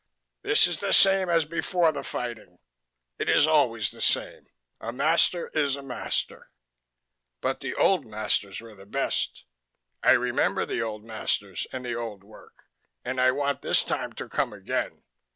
This is the same as before the fighting. It is always the same. A master is a master. But the old masters were the best. I remember the old masters and the old work, and I want this time to come again.